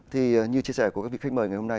thì như chia sẻ của các vị khách mời ngày hôm nay